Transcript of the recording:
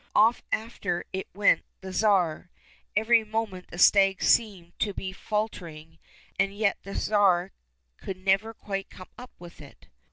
Off after it went the Tsar ; every moment the stag seemed to be falter ing, and yet the Tsar could never quite come up with it.